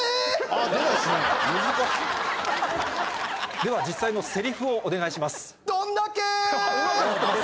では実際のセリフをお願いします。